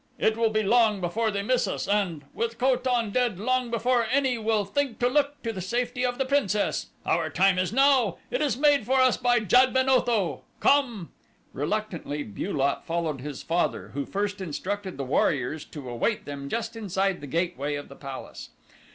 It will be long before they miss us and, with Ko tan dead, long before any will think to look to the safety of the princess. Our time is now it was made for us by Jad ben Otho. Come!" Reluctantly Bu lot followed his father, who first instructed the warriors to await them just inside the gateway of the palace.